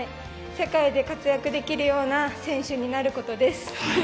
世界で活躍できるような選手になることです。